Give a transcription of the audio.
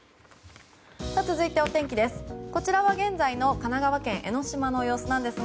続いて、お天気です。